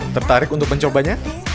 tertarik untuk mencobanya